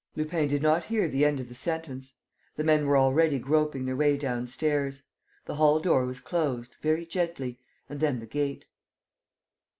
Lupin did not hear the end of the sentence. The men were already groping their way downstairs. The hall door was closed, very gently, and then the gate.